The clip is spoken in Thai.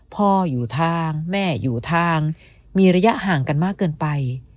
พ่ออยู่ทางแม่อยู่ทางมีระยะห่างกันมากเกินไป